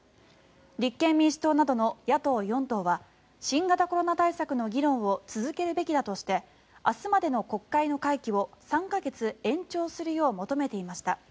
立憲民主党などの野党４党は新型コロナ対策の議論を続けるべきだとして明日までの国会の会期を３か月延長するよう求めていました。